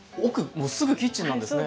もうすぐキッチンなんですね。